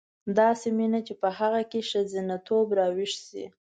داسې مینه چې په هغه کې ښځتوب راویښ شي.